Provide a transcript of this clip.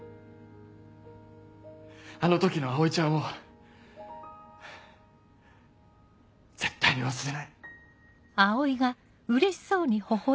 あの時の葵ちゃんを絶対に忘れない。